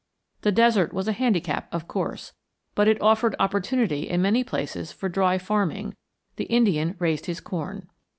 The desert was a handicap, of course, but it offered opportunity in many places for dry farming; the Indian raised his corn.